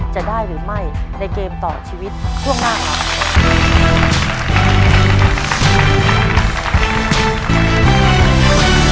จะได้หรือไม่ในเกมต่อชีวิตช่วงหน้าครับ